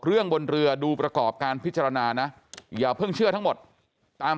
เรื่องบนเหลือดูประกอบการพิจารณานะเพิ่งเชื่อทั้งหมดตาม